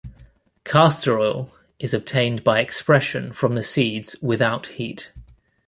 Castor-oil is obtained by expression from the seeds without heat.